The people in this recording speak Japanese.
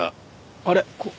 あれ？